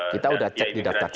kita sudah cek di daftar kita